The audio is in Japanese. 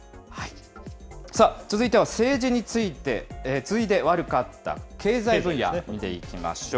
さあ続いては政治に次いで悪かった経済分野、見ていきましょう。